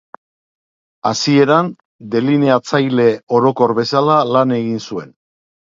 Hasieran delineatzaile orokor bezala lan egin zuen.